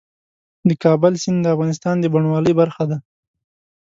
د کابل سیند د افغانستان د بڼوالۍ برخه ده.